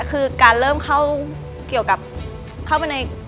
อยากเป็นนางงามที่มีอินเนอร์แบบนางแบบ